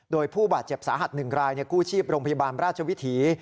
โดยผู้บาดเจ็บสาหัส๑รายกู้ชีพโรงพยาบาลราชวิถี